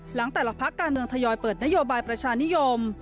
หลังแต่ละพักการเมืองทยอยเปิดนโยบายประชานิยม